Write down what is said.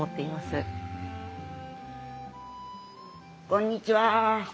こんにちは。